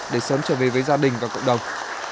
để sớm trở về với gia đình và cộng đồng